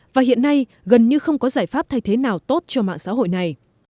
và hiện nay gần như không có giải pháp thay thế nào tốt cho mạng xã hội này